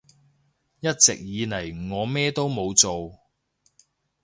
一直以嚟我咩都冇做